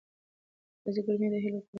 مرکز ګرمۍ د هیلې کوټه په تدریجي ډول تودوله.